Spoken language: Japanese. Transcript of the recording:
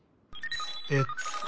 えっと